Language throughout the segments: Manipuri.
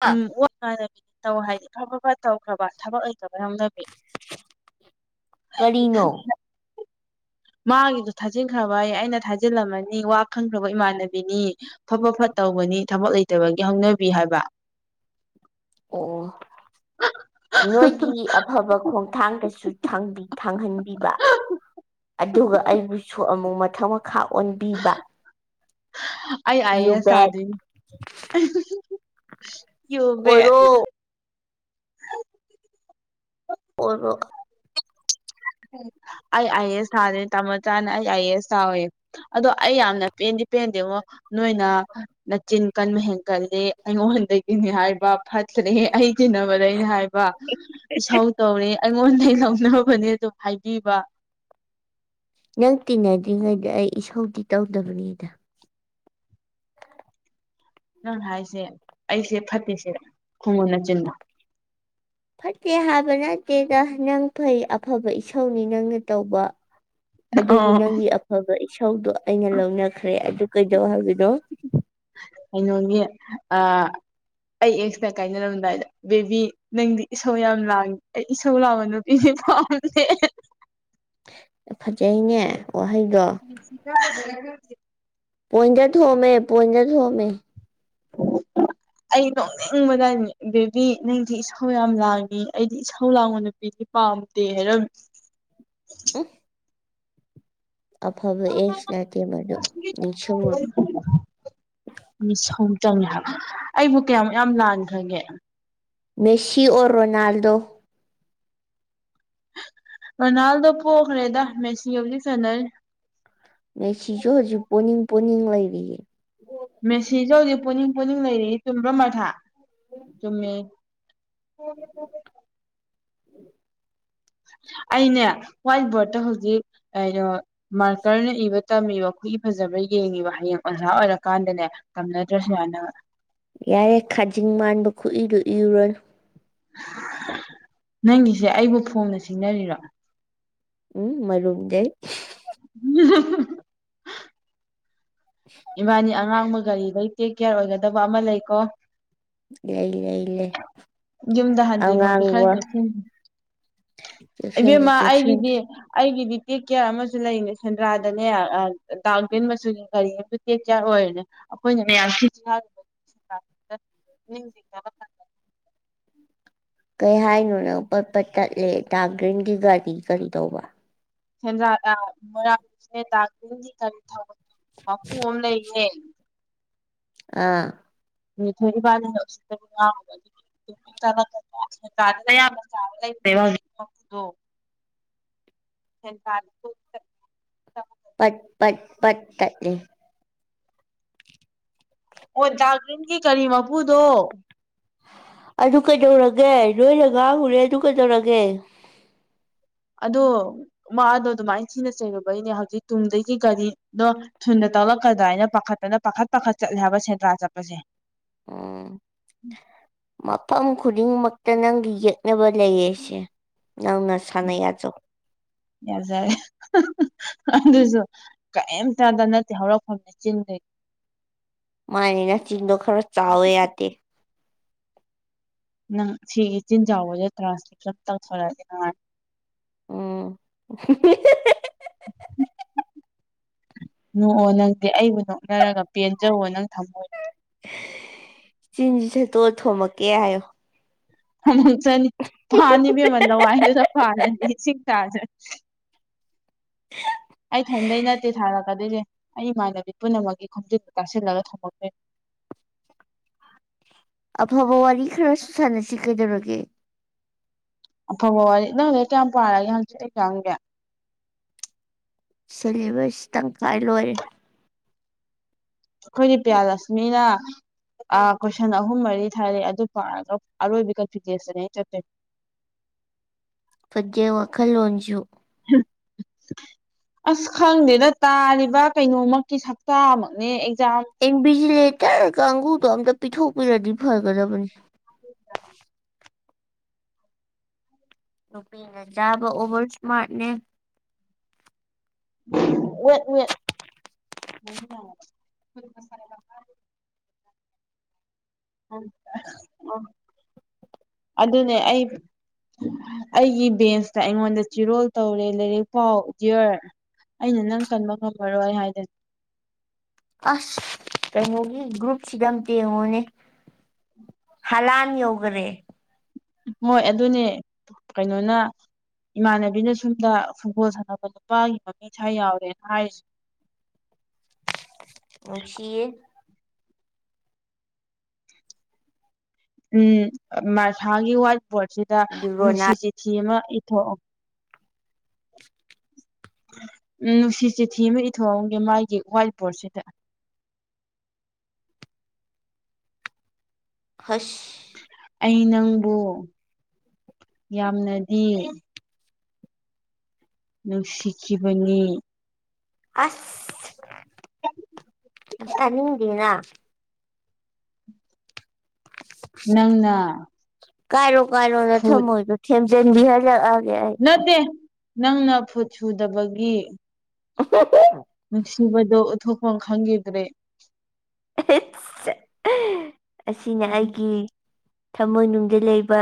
ꯑ ꯎꯝ [unintelligible] ꯇꯧ ꯍꯥꯏꯗꯤ ꯐꯠ ꯐꯠ ꯇꯧꯈ꯭ꯔꯕ ꯊꯕꯛ ꯂꯩꯇꯕꯩ ꯍꯧꯅꯕꯤ ꯀꯔꯤꯅꯣ ꯃꯒꯤꯗꯣ ꯊꯖꯤꯟꯈ꯭ꯔꯕꯌꯦ ꯑꯩꯅ ꯊꯖꯤꯜꯂꯝꯃꯅꯤ ꯋꯥ ꯈꯪꯈ꯭ꯔꯕ ꯏꯃꯥꯟꯅꯕꯤꯅꯤ ꯐ ꯐꯠ ꯐꯠ ꯇꯧ ꯇꯧꯒꯅꯤ ꯊꯕꯛ ꯂꯩꯇꯕꯒꯤ ꯍꯧꯅꯕꯤ ꯍꯥꯏꯕ ꯑꯣ ꯅꯣꯏꯒꯤ ꯑꯐꯕ ꯈꯣꯡꯊꯥꯡꯗꯁꯨ ꯊꯥꯡꯕꯤ ꯊꯥꯡꯍꯟꯕꯤꯕ ꯑꯗꯨꯒ ꯑꯩꯕꯨꯁꯨ ꯑꯃꯨꯛ ꯃꯊꯛ ꯃꯈꯥ ꯑꯣꯟꯕꯤꯕ ꯑꯩ ꯑꯏ ꯌꯨ ꯑꯦꯁ ꯕꯦꯛ ꯊꯥꯗꯨꯏꯅꯤ ꯌꯨ ꯕꯦꯠ ꯑꯣꯏꯔꯣ ꯑꯣꯏꯔꯕꯣ ꯑꯩ ꯑꯥꯏ ꯑꯦ ꯑꯦꯁ ꯊꯥꯗꯨꯏꯅꯦ ꯇꯥꯃꯣꯆꯥꯅ ꯑꯩ ꯑꯥꯏ ꯑꯦ ꯑꯦꯁ ꯊꯥꯎꯋꯦ ꯑꯗꯣ ꯑꯩ ꯌꯥꯝꯅ ꯄꯦꯟꯗꯦ ꯄꯦꯟꯗꯉꯣ ꯅꯣꯏꯅ ꯅꯅꯥꯆꯤꯟ ꯀꯟꯕ ꯍꯦꯟꯒꯜꯂꯤ ꯑꯩꯉꯣꯟꯗꯒꯤꯅꯤ ꯍꯥꯏꯕ ꯐꯠ ꯆꯈ꯭ꯔꯦꯍꯦ ꯑꯩ ꯇꯤꯟꯅꯕꯗ ꯑꯩꯅ ꯍꯥꯏꯕ ꯏꯁꯧ ꯇꯧꯔꯦ ꯑꯩꯉꯣꯟꯗꯒꯤ ꯂꯧꯅꯕꯅꯦ ꯑꯗꯨꯝ ꯍꯥꯏꯕꯤꯕ ꯅꯪ ꯇꯤꯟꯅꯗ꯭ꯔꯤꯉꯩꯗ ꯑꯩ ꯏꯁꯧꯗꯤ ꯇꯧꯗꯕꯅꯤꯗ ꯅꯪ ꯍꯥꯏꯁꯦ ꯑꯩꯁꯦ ꯐꯠꯇꯦ ꯁꯤꯔ ꯈꯨꯝꯃꯨ ꯅꯆꯤꯟꯗꯣ ꯐꯠꯇꯦ ꯍꯥꯏꯕ ꯅꯠꯇꯦꯗ ꯅꯪ ꯐꯩ ꯑꯐꯕ ꯏꯁꯧꯅꯤ ꯅꯪꯅ ꯇꯧꯕ ꯑꯗꯨꯕꯨ ꯑꯣ ꯅꯪꯒꯤ ꯑꯐꯕ ꯏꯁꯧꯗꯣ ꯑꯩꯅ ꯂꯧꯅꯈ꯭ꯔꯦ ꯑꯗꯨ ꯀꯩꯗꯧ ꯍꯥꯏꯕꯅꯣ ꯀꯩꯅꯣꯒꯤ ꯑꯥ ꯑꯩ ꯑꯦꯛꯁꯇ ꯀꯥꯏꯅꯔꯝꯗꯥꯏꯗ ꯕꯦꯕꯤ ꯅꯪꯗꯤ ꯏꯁꯧ ꯌꯥꯝ ꯂꯥꯡꯏꯤ ꯑꯩ ꯏꯁꯧ ꯂꯥꯡꯕ ꯅꯨꯄꯤꯁꯦ ꯄꯥꯝꯗꯦ ꯌꯥꯏꯅꯦ ꯁꯤ [unintelligible] ꯄꯣꯏꯟꯗ ꯊꯣꯝꯃꯦ ꯄꯣꯏꯟꯗ ꯊꯣꯝꯃꯦ [unintelligible] ꯑꯩ ꯅꯣꯛꯅꯤꯡꯕꯗꯅꯦ ꯕꯦꯕꯤ ꯅꯪꯗꯤ ꯏꯁꯧ ꯌꯥꯝ ꯂꯥꯡꯉꯤ ꯑꯩꯗꯤ ꯏꯁꯧ ꯂꯥꯡꯕ ꯅꯨꯄꯤꯗꯤ ꯄꯥꯝꯗꯦ ꯍꯥꯏꯔꯝꯃꯤ ꯎꯝ ꯑꯐꯕ ꯑꯦꯁꯥꯛꯁ ꯅꯠꯇꯦ ꯃꯗꯨ ꯅꯤꯡꯁꯤꯡꯉꯨꯅꯨ ꯃꯤꯁꯧ ꯆꯪꯉꯦ ꯍꯥꯏꯕ ꯑꯩꯕꯨ ꯀꯌꯥꯃꯨꯛ ꯌꯥꯝ ꯂꯥꯟꯈ꯭ꯔꯒꯦ ꯃꯦꯁꯤ ꯑꯣꯔ ꯔꯣꯅꯥꯜꯗꯣ ꯔꯣꯅꯥꯜꯗꯣ ꯄꯣꯛꯈ꯭ꯔꯦꯗ ꯃꯦꯁꯤ ꯍꯧꯖꯤꯛ ꯆꯟꯅꯔꯤ ꯄꯨꯛꯅꯤꯡ ꯂꯩꯔꯤꯌꯦ ꯃꯦꯁꯤꯁꯨ ꯍꯧꯖꯤꯛ ꯄꯣꯅꯤꯡ ꯄꯣꯅꯤꯡ ꯂꯩꯔꯤꯌꯦ ꯆꯨꯝꯕ꯭ꯔ ꯃꯊꯥ ꯆꯨꯝꯃꯦ ꯑꯩꯅꯦ ꯍ꯭ꯋꯥꯏꯠ ꯕꯣꯔꯗꯠꯇ ꯍꯧꯖꯤꯛ ꯀꯩꯅꯣ ꯃꯥꯔꯀꯔꯅ ꯏꯕ ꯇꯝꯃꯤꯕ ꯈꯨꯏ ꯐꯖꯕ꯭ꯔꯥ ꯌꯦꯡꯉꯤꯕ ꯍꯌꯦꯡ ꯑꯣꯖꯥ ꯑꯣꯏꯔꯀꯥꯟꯗꯅꯦ ꯇꯝꯅꯗ꯭ꯔꯁꯨ ꯌꯥꯅꯕ ꯌꯥꯔꯦ ꯈꯥꯖꯤꯡ ꯃꯥꯟꯕ ꯈꯣꯛꯏꯗꯨ ꯏꯔꯨꯔꯅꯨ ꯅꯪꯒꯤꯁꯦ ꯑꯩꯕꯨ ꯐꯣꯡꯅ ꯁꯤꯡꯅꯔꯤꯔꯣ ꯎꯝ ꯃꯔꯨꯝꯗꯩ [unintelligible] ꯏꯕꯥꯥꯅꯤ ꯑꯉꯥꯡꯕ ꯒꯥꯔꯤꯗꯩ ꯇꯦꯛ ꯀꯦꯌꯔ ꯑꯣꯏꯒꯗꯕ ꯑꯃ ꯂꯩꯀꯣ ꯂꯩꯌꯦ ꯌꯨꯝꯗ ꯍꯥꯟꯗ꯭ꯔꯤꯐꯥꯎꯗꯤ ꯈꯔ ꯑꯉꯥꯡꯕ [unintelligible] ꯆꯦꯛꯁꯤꯟꯁꯤ ꯏꯕꯦꯝꯃ ꯑꯩꯒꯤꯗꯤ ꯆꯦꯛꯁꯤꯟꯁꯤ ꯑꯩꯒꯤꯗꯤ ꯇꯦꯛ ꯀꯦꯌꯥꯔ ꯑꯃꯁꯨ ꯂꯩꯔꯤꯅꯦ ꯁꯦꯟꯗ꯭ꯔꯥꯗꯅꯦ ꯗꯥꯥꯛ ꯒ꯭ꯔꯤꯟ ꯃꯆꯨꯒꯤ ꯀꯔꯤ ꯑꯃꯁꯨ ꯇꯦꯛ ꯀꯦꯌꯥꯔ ꯑꯣꯏꯔꯤꯅꯦ ꯑꯩꯈꯣꯏꯅꯅꯦ [unintelligible] ꯀꯩ ꯍꯥꯏꯅꯣ ꯅꯪ ꯄꯠꯡꯄꯠ ꯆꯠꯂꯦ ꯗꯥꯛꯒ꯭ꯔꯤꯟꯒꯤ ꯒꯥꯔꯤ ꯀꯔꯤ ꯇꯧꯕ ꯁꯦꯟꯗ꯭ꯔ ꯑꯥ ꯃꯣꯏꯔꯥꯡ [unintelligible] ꯃꯄꯨ ꯑꯃ ꯂꯩꯌꯦ ꯑꯥ [unintelligible] [unintelligible] [unintelligible] ꯄꯠ ꯄꯠ ꯄꯠ ꯇꯠꯂꯦ ꯑꯣ ꯗꯥꯛꯔꯤꯟꯒꯤ ꯀꯔꯤ ꯃꯄꯨꯗꯣ ꯑꯗꯨ ꯀꯩꯗꯧꯔꯒꯦ ꯅꯣꯏꯅ ꯉꯥꯡꯉꯨꯔꯦ ꯑꯗꯨ ꯀꯩꯗꯧꯔꯒꯦ ꯑꯗꯣ ꯃꯥꯗꯣ ꯑꯗꯨꯃꯥꯏ ꯊꯤꯅ ꯆꯩꯔꯨꯕꯩꯅꯦ ꯍꯧꯖꯤꯛ ꯇꯨꯡꯗꯒꯤ ꯒꯥꯔꯤꯗꯣ ꯊꯨꯅ ꯇꯂꯛꯀꯗ꯭ꯔ ꯍꯥꯏꯅ ꯄꯥꯈꯠꯇꯅ ꯄꯥꯈꯠ ꯄꯥꯈꯠ ꯆꯠꯂꯦ ꯍꯥꯏꯕ ꯁꯦꯟꯗ꯭ꯔꯥ ꯆꯠꯄꯁꯦ ꯎꯝ ꯃꯐꯝ ꯈꯨꯗꯤꯡꯃꯛꯇ ꯅꯪꯒꯤ ꯌꯦꯛꯅꯕ ꯂꯩꯌꯦꯁꯦ ꯅꯪ ꯅꯁꯥꯅ ꯌꯥꯖꯧ ꯌꯥꯖꯔꯦ ꯑꯗꯨꯁꯨ ꯀꯔꯤꯝꯇꯗ ꯅꯠꯇꯦ ꯍꯧꯔꯛꯐꯝꯅꯦ ꯆꯤꯟꯈꯩ ꯃꯥꯅꯦ ꯅꯆꯤꯟꯗꯣ ꯈꯔ ꯆꯥꯎꯋꯦ ꯌꯥꯗꯦ ꯅꯪ ꯁꯤꯒꯤ ꯏꯆꯤꯟꯖꯥꯎꯕꯁꯦ ꯇ꯭ꯔꯥꯟꯁꯇꯦꯛꯁ ꯇꯧꯊꯣꯔꯛꯑꯗꯤ ꯅꯨꯉꯥꯏꯅꯤ ꯎꯝ ꯍꯤꯍꯤꯍꯤ ꯅꯣꯛꯑꯣ ꯅꯪꯗꯤ ꯑꯩꯕꯨ ꯅꯣꯛꯅꯔꯒ ꯄꯦꯟꯖꯧꯋꯣ ꯅꯪ ꯊꯝꯃꯣꯏ ꯆꯤꯟꯁꯤ ꯁꯦꯠꯇꯣ ꯊꯣꯝꯃꯛꯀꯦ ꯍꯥꯏꯌꯣ [unintelligible] ꯑꯩ ꯊꯟꯗꯩ ꯅꯠꯇꯦ ꯊꯥꯔꯛ ꯑꯗꯨꯏꯅꯦ ꯑꯩ ꯏꯃꯥꯟꯅꯕꯤ ꯄꯨꯝꯅꯃꯛꯀꯤ ꯈꯣꯝꯖꯤꯟ ꯇꯥꯁꯤꯜꯂꯒ ꯊꯣꯝꯃꯛꯇꯦ ꯑꯐꯕ ꯋꯥꯔꯤ ꯈꯔꯁꯨ ꯁꯥꯟꯅꯁꯤ ꯀꯩꯗꯧꯔꯒꯦ ꯑꯐꯕ ꯋꯥꯔꯤ ꯅꯪꯗꯤ ꯀꯌꯥꯝ ꯄꯥꯔꯒꯦ ꯍꯪꯆꯤꯠ ꯑꯦꯛꯖꯥꯝꯒꯤ ꯁꯦꯂꯦꯕꯁ ꯇꯪꯈꯥꯏ ꯂꯣꯏꯔꯦ ꯑꯩꯈꯣꯏ ꯄꯤꯌꯥ ꯂꯛꯁꯃꯤꯅ ꯑꯥ ꯀꯣꯏꯁꯟ ꯑꯍꯨꯝ ꯃꯔꯤ ꯊꯥꯔꯛꯑꯦ ꯑꯗꯨ ꯄꯥꯔꯒ ꯑꯔꯣꯏꯕ ꯀꯟꯐꯤꯗꯦꯁꯇꯅꯤ ꯑꯩꯅ ꯆꯠꯇꯣꯏꯁꯦ ꯐꯡꯖꯩ ꯋꯥꯈꯜꯂꯣꯟꯖꯨ ꯑꯁ ꯈꯪꯗꯦꯗ ꯇꯥꯔꯤ ꯀꯩꯅꯣꯃꯛꯀꯤ ꯁꯛꯇꯃꯛꯅꯦ ꯑꯦꯟꯕꯤꯖꯤꯂꯦꯇꯔ ꯀꯪꯒꯨꯗ ꯑꯝꯇ ꯄꯤꯊꯣꯛ ꯄꯤꯔꯥꯗꯤ ꯐꯔꯒꯗꯕꯅꯤ ꯅꯨꯄꯤꯅ ꯆꯥꯕ ꯑꯣꯚꯔ ꯏꯁꯃꯥꯔꯠꯅꯦ ꯋꯦꯠ ꯋꯦꯠ ꯃ [unintelligible] ꯎꯝ ꯑꯥ ꯑꯗꯨꯅꯦ ꯑꯩ ꯑꯩꯒꯤ ꯕꯦꯟꯁꯇ ꯑꯩꯉꯣꯟꯗ ꯆꯤꯔꯣꯜ ꯇꯧꯔꯦ ꯂꯥꯏꯔꯤꯛ ꯄꯥꯎ ꯗꯤꯌꯔ ꯑꯩꯅ ꯅꯪ ꯀꯟꯕ ꯉꯝꯃꯔꯣꯏ ꯍꯥꯏꯗꯅ ꯑꯁ ꯀꯩꯅꯩꯒꯤ ꯒ꯭ꯔꯨꯞꯁꯤꯗ ꯑꯝꯇ ꯌꯦꯡꯉꯣꯅꯦ ꯍꯂꯥꯟ ꯌꯣꯒꯔꯦ ꯍꯣꯏ ꯑꯗꯨꯅꯦ ꯀꯩꯅꯣꯅ ꯏꯃꯥꯟꯅꯕꯤꯅ ꯁꯣꯨꯝꯗ ꯐꯨꯠꯕꯣꯜ ꯁꯥꯟꯅꯕ ꯅꯨꯄꯥꯒꯤ ꯃꯃꯤꯡ ꯁꯥꯥꯏ ꯌꯥꯎꯔꯦꯅ ꯍꯥꯏꯔꯤꯁꯦ [inaudible] ꯑꯣꯁꯤꯌꯦ ꯎꯝ ꯃꯁꯥꯒꯤ ꯋꯥꯏꯠ ꯕꯣꯔꯗꯁꯤꯗ ꯅꯨꯡꯁꯤ ꯔꯣꯅꯥꯜ ꯆꯤꯊꯤ ꯑꯃ ꯏꯊꯣꯛꯑꯣ [unintelligible] ꯅꯨꯡꯁꯤ ꯆꯤꯊꯤ ꯑꯃ ꯏꯊꯣꯛꯑꯝꯒꯦ ꯃꯥꯒꯤ ꯋꯥꯏꯠ ꯕꯣꯔꯗꯁꯤꯗ [inaudible] ꯍꯁ ꯑꯩ ꯅꯪꯕꯨ ꯌꯥꯝꯅꯗꯤ ꯅꯨꯡꯁꯤꯈꯤꯕꯅꯤ ꯑꯁ ꯇꯥꯅꯤꯡꯗꯦꯅ ꯅꯪꯅ ꯀꯥꯏꯔꯣ ꯀꯥꯏꯔꯣꯅ ꯐꯨꯠ ꯅꯊꯝꯃꯣꯏꯗꯣ ꯊꯦꯝꯖꯤꯟꯕꯤꯍꯜꯂꯛꯑꯒꯦ ꯑꯩ ꯅꯠꯇꯦ ꯅꯪꯅ ꯐꯣꯠ ꯁꯨꯗꯕꯒꯤ ꯑꯍ ꯅꯨꯡꯁꯤꯕꯗꯣ [unintelligible] ꯈꯪꯈꯤꯗ꯭ꯔꯦ [unintelligible] ꯑꯁꯤꯅꯦ ꯑꯩꯒꯤ ꯊꯃꯣꯏꯅꯨꯡꯗ ꯂꯩꯕ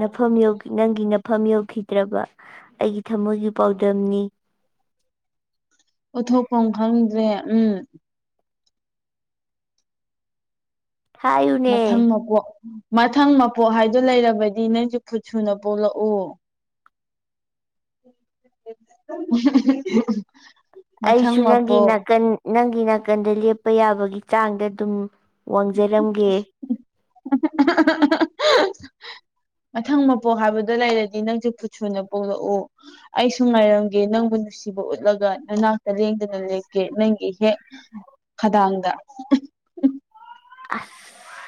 ꯅꯐꯝ ꯌꯧꯒꯤ ꯅꯪꯒꯤ ꯅꯐꯝ ꯌꯧꯈꯤꯗ꯭ꯔꯕ ꯑꯩꯒꯤ ꯊꯃꯣꯏꯒꯤ ꯄꯥꯎꯗꯝꯅꯤ [inaudible] ꯎꯠꯊꯣꯛꯐꯝ ꯈꯪꯗ꯭ꯔꯦ ꯎꯝ ꯍꯥꯏꯌꯨꯅꯦ ꯃꯊꯪ ꯃꯄꯣꯛ ꯃꯊꯪ ꯃꯄꯣꯛ ꯍꯥꯏꯗꯨ ꯂꯩꯔꯕꯗꯤ ꯅꯪꯁꯨ ꯐꯨꯠꯁꯨꯨꯅ ꯄꯣꯛꯂꯛꯎ [unintelligible] ꯑꯩꯁꯨ ꯅꯪꯒꯤ ꯃꯄꯣꯛ ꯅꯥꯀꯟ ꯅꯪꯒꯤ ꯅꯥꯀꯟꯗ ꯂꯦꯞꯄ ꯌꯥꯕꯒꯤ ꯆꯥꯡꯗ ꯑꯗꯨꯝ ꯋꯥꯡꯖꯔꯝꯒꯦ [unintelligible] ꯃꯊꯪ ꯃꯄꯣꯛ ꯍꯥꯏꯕꯗꯣ ꯂꯩꯔꯗꯤ ꯅꯪꯁꯨ ꯐꯨꯠꯁꯨꯨꯅ ꯄꯣꯛꯂꯛꯎ ꯑꯩꯁꯨ ꯉꯥꯏꯔꯝꯒꯦ ꯅꯪꯕꯨ ꯅꯨꯡꯁꯤꯕ ꯎꯠꯂꯒ ꯅꯅꯥꯛꯇ ꯂꯦꯡꯗꯅ ꯂꯩꯀꯦ ꯅꯪꯒꯤ ꯏꯍꯦꯛ ꯈꯗꯥꯡꯗ ꯑꯁ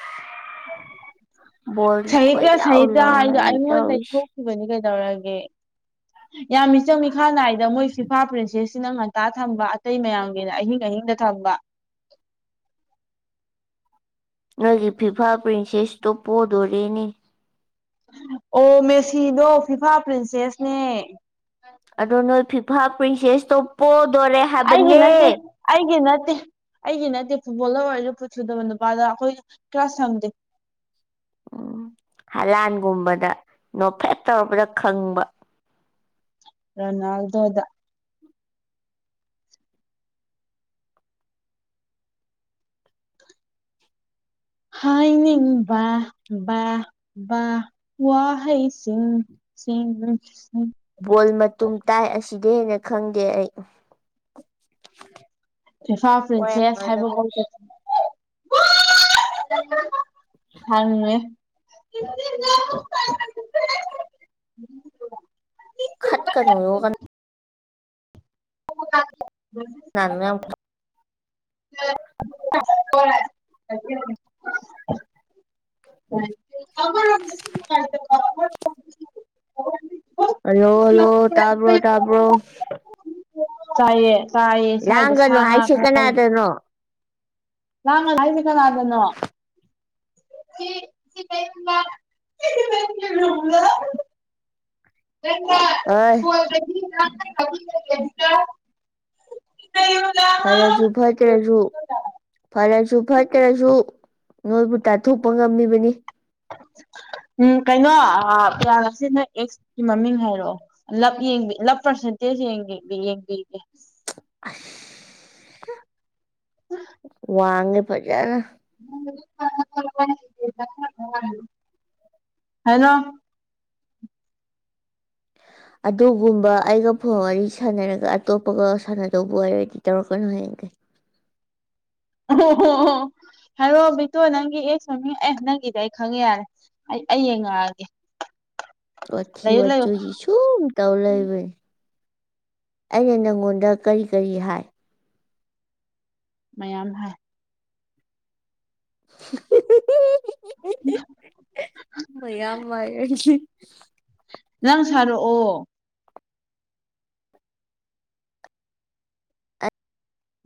ꯕꯣꯜ ꯀꯣꯏ ꯁꯥꯍꯤꯇ꯭ꯌ ꯂꯥꯎ ꯁꯥꯥꯍꯤꯇ꯭ꯌ ꯍꯥꯏꯗꯣ ꯂꯥꯎꯅꯔꯤ ꯑꯩꯉꯣꯟꯗꯩ ꯇꯧꯔꯤꯁꯦ ꯊꯣꯛꯈꯤꯕꯅꯤ ꯀꯩꯅꯣ ꯇꯧꯔꯒꯦ ꯌꯥꯝ ꯃꯤꯆꯪ ꯃꯤꯈꯥ ꯅꯥꯏꯗ ꯃꯣꯏ ꯐꯤꯐꯥ ꯄ꯭ꯔꯤꯁꯦꯁ ꯁꯤꯅꯪ ꯉꯟꯇꯥ ꯊꯝꯕ ꯑꯇꯩ ꯃꯌꯥꯝꯒꯤꯅ ꯑꯍꯤꯡ ꯑꯍꯤꯡꯗ ꯊꯝꯕ ꯅꯣꯏꯒꯤ ꯐꯤꯐꯥ ꯄ꯭ꯔꯤꯟꯁꯦꯁ ꯇꯣꯄꯣꯗꯣꯔꯦꯅꯦ ꯑꯣ ꯃꯦꯁꯤꯗꯣ ꯐꯤꯐꯥ ꯄ꯭ꯔꯤꯟꯁꯦꯁꯅꯦ ꯑꯗꯣ ꯅꯣꯏ ꯐꯤꯐꯥ ꯄ꯭ꯔꯤꯟꯁꯦꯁꯇꯣ ꯄꯣ ꯑꯩꯒꯤ ꯅꯠꯇꯦ ꯑꯩꯒꯤ ꯅꯠꯇꯦ ꯑꯩꯒꯤ ꯅꯠꯇꯦ ꯐꯨꯠꯕꯣꯜꯂꯔ ꯑꯣꯏ ꯐꯨꯠ ꯁꯨꯗꯕ ꯅꯨꯄꯥꯗ ꯑꯩꯈꯣꯏ ꯀꯥꯔꯁ ꯊꯝꯗꯦ ꯎꯝ ꯍꯂꯥꯟꯒꯨꯝꯕꯗ ꯅꯣꯛꯐꯦꯠ ꯇꯧꯔꯛꯔꯕꯗ ꯈꯪꯕ ꯔꯣꯅꯥꯜꯗꯣꯗ ꯍꯥꯏꯅꯤꯡꯕꯃ ꯕꯥ ꯕꯥ ꯋꯥꯍꯩ ꯁꯤ ꯎꯝ ꯎꯝ ꯕꯣꯜ ꯃꯇꯨꯝ ꯇꯥꯏ ꯑꯁꯤꯗꯤ ꯍꯦꯟꯅ ꯈꯪꯗꯦ ꯑꯩ ꯏꯐꯥꯜ ꯄ꯭ꯔꯤꯟꯁꯦꯁ ꯋꯥ ꯍꯥꯏꯕꯕꯨ [inaudible] ꯍꯉꯃꯦ [inaudible] ꯎꯝ [unintelligible] ꯈꯠꯀꯅꯣꯌꯦ ꯀꯟꯅ [unintelligible] [unintelligible] ꯍꯣꯏ [unintelligible] ꯑꯃꯔꯣꯝꯗꯁꯨ ꯅꯨꯡꯉꯏꯇꯕ ꯑꯃꯔꯣꯝꯗꯁꯨ [unintelligible] ꯍꯜꯂꯣ ꯍꯜꯂꯣ ꯇꯕ꯭ꯔꯣ ꯇꯕ꯭ꯔꯣ ꯆꯥꯏꯌꯦ ꯆꯥꯏꯌꯦ ꯁꯏꯗ ꯁꯥ ꯉꯥ ꯍꯥꯏꯁꯦ ꯈꯔ ꯀꯅꯥꯗꯅꯣ ꯂꯪꯒꯅꯣ ꯍꯥꯏꯁꯦ ꯀꯅꯗꯅꯣ [unintelligible] ꯑꯣꯏ [unintelligible] ꯐꯔꯁꯨ ꯐꯠꯇ꯭ꯔꯁꯨ ꯐꯔꯁꯨ ꯐꯠꯇ꯭ꯔꯁꯨ ꯅꯣꯏꯕꯨ ꯇꯟꯊꯣꯛꯄ ꯉꯝꯃꯤꯕꯅꯤ ꯎꯝ ꯀꯩꯅꯣ ꯑꯥ ꯄꯌꯥꯗ꯭ꯔꯁꯤ ꯅꯣꯏ ꯑꯦꯛꯁꯀꯤ ꯃꯃꯤꯡ ꯍꯥꯏꯔꯛꯑꯣ ꯂꯞ ꯌꯦꯡꯕꯤ ꯂꯞ ꯄ꯭ꯔꯁꯦꯟ ꯇꯦꯟꯁ ꯌꯦꯡꯒꯤ ꯌꯦꯡꯕꯤꯒꯦ ꯑꯁ ꯋꯡꯉꯦ ꯐꯖꯟꯅ [unintelligible] ꯍꯜꯂꯣ ꯑꯗꯨꯒꯨꯝꯕ ꯑꯩꯒ ꯐꯣꯟ ꯋꯥꯔꯤ ꯁꯥꯟꯅꯔꯒ ꯑꯇꯣꯞꯄꯒ ꯁꯥꯟꯅꯗꯧꯕ ꯑꯣꯏꯔꯗꯤ ꯇꯧꯔꯛꯀꯅꯨ ꯍꯌꯦꯡ ꯑꯣꯀꯦ ꯑꯣ ꯍꯣ ꯍꯣ ꯍꯥꯏꯔꯣ ꯕꯤꯇꯣ ꯅꯪꯒꯤ ꯑꯦꯛꯁ ꯃꯃꯤꯡ ꯑꯦ ꯅꯪꯒꯤꯗꯤ ꯑꯩ ꯈꯪꯉꯦ ꯌꯥꯔꯦ ꯑꯩ ꯑꯩ ꯌꯦꯡꯉꯛꯑꯒꯦ ꯋꯥꯊꯤ ꯂꯩꯌꯨ ꯋꯥ ꯂꯩꯌꯨ ꯆꯣꯏꯁꯤ ꯁꯨꯝ ꯇꯧ ꯂꯩꯕꯅꯤ ꯑꯩꯅ ꯅꯪꯉꯣꯟꯗ ꯀꯔꯤ ꯀꯔꯤ ꯍꯥꯏ ꯃꯌꯥꯝ ꯍꯥꯏ [unintelligible] ꯍꯤꯍꯤ ꯍꯤ ꯃꯌꯥꯝ ꯃꯏꯍꯥꯏꯖꯦ ꯅꯪ ꯁꯔꯛꯑꯣ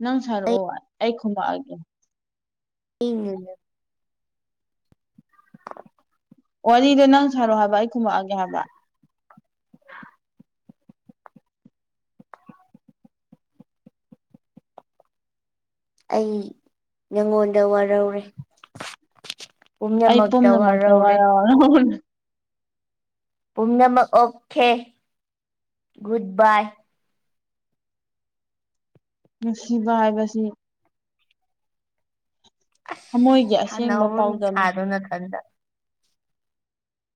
ꯅꯪ ꯁꯥꯔꯛꯑꯣ ꯑꯩ ꯈꯨꯝꯃꯛꯑꯒꯦ ꯏ ꯅꯥ ꯅꯥ ꯋꯥꯔꯤꯗꯣ ꯅꯪ ꯁꯔꯛꯑꯣ ꯍꯥꯏꯕ ꯑꯩ ꯈꯨꯝꯃꯛꯑꯒꯦ ꯍꯥꯏꯕ ꯑꯩ ꯅꯪꯉꯣꯟꯗ ꯋꯔꯧꯔꯦ ꯑꯩ ꯄꯨꯝꯅꯃꯛꯇ ꯋꯔꯧꯔꯦ ꯋꯥꯔꯥꯎ ꯋꯥꯔꯧꯅ ꯄꯨꯝꯅꯃꯛ ꯑꯣꯀꯦ ꯒꯨꯠ ꯕꯏ ꯅꯨꯡꯁꯤꯕ ꯍꯥꯏꯕꯁꯤ ꯑꯁ ꯊꯃꯣꯏꯒꯤ ꯑꯁꯦꯡꯕ ꯁꯥꯟꯅꯧꯔꯣ ꯄꯥꯎꯗꯝꯅꯤ ꯅꯤꯁꯥꯗꯣ ꯅꯊꯟꯗ